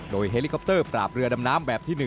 โดยเฮลิคอปเตอร์ปราบเรือดำน้ำแบบที่๑